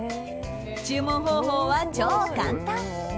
注文方法は超簡単。